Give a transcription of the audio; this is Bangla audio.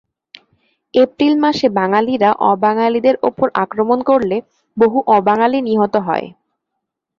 এপ্রিল মাসে বাঙালিরা অবাঙালিদের ওপর আক্রমণ করলে বহু অবাঙালি নিহত হয়।